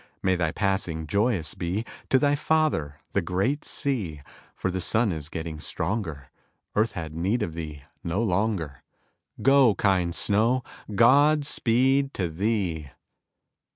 May thy passing joyous be To thy father, the great sea, For the sun is getting stronger; Earth hath need of thee no longer; Go, kind snow, God speed to thee!